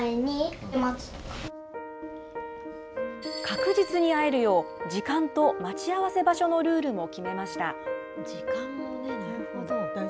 確実に会えるよう、時間と待ち合わせ場所のルールも決めました。